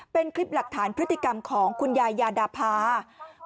เป็นคลิปหลักฐานพฤติกรรมของคุณยายยาดาพา